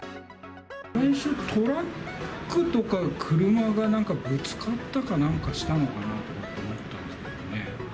最初、トラックとか車がなんかぶつかったかなんかしたのかなと思ったんだけどね。